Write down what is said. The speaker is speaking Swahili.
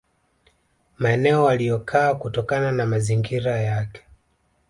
Maeneo waliyokaa kutokana na mazingira yake